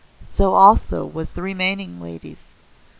So also with the remaining ladies.